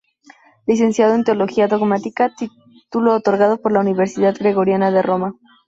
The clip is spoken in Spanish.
Licenciado en Teología Dogmática, título otorgado por la Universidad Gregoriana de Roma.